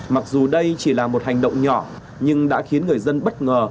mặc dù đây chỉ là một hành động nhỏ nhưng đã khiến người dân bất ngờ